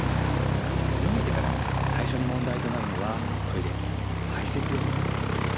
逃げてから最初に問題となるのはトイレ排泄です。